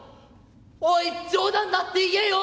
おい冗談だって言えよ！」。